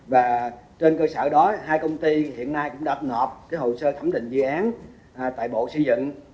và trên cơ sở đó hai công ty hiện nay cũng đã đặt ngọt cái hồ sơ thẩm định dự án tại bộ xây dựng